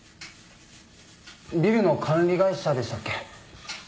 ビルの管理会社でしたっけ？